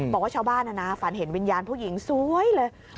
บอกว่าชาวบ้านฝันเห็นวิญญาณผู้หญิงสวยเลย